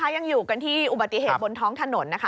ยังอยู่กันที่อุบัติเหตุบนท้องถนนนะคะ